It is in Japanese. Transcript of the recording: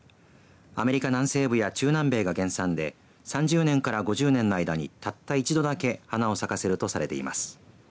アメリカ南西部や中南米が原産で３０年から５０年の間にたった一度だけ花を咲かせるとされています。